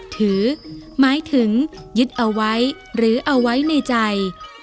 ถือหมายถึงยึดเอาไว้หรือเอาไว้ในใจ